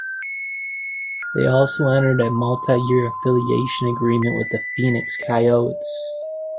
They also entered a multi-year affiliation agreement with the Phoenix Coyotes.